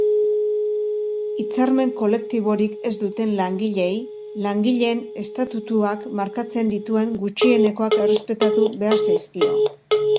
Hitzarmen kolektiborik ez duten langileei Langileen Estatutuak markatzen dituen gutxienekoak errespetatu behar zaizkio.